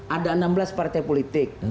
ada enam belas partai politik